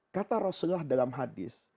kata rasulullah dalam hadis